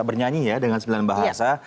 bernyanyi ya dengan sembilan bahasa